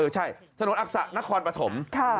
ใช่ถนนอักษะนครปฐม